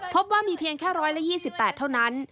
พบว่ามีเพียงแค่๑๒๘เท่านั้น